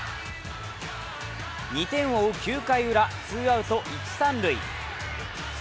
２点を追う９回ウラ、ツーアウト一・三塁。